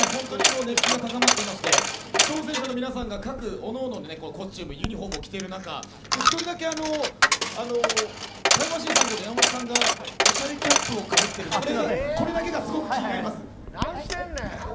熱気が高まっていまして挑戦者の皆さんが各々でユニホームを着ている中１人だけタイムマシーン３号の山本さんがおしゃれキャップをかぶっているこれだけが気になります。